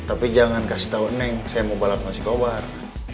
tapi jangan kasih tau neng saya mau balap sama si kobar